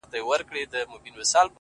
زما لېونۍ و ماته ښه خبر اکثر نه کوي!